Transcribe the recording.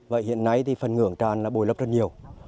vậy hiện nay thì phần ngưỡng tràn là bồi lấp rất nhiều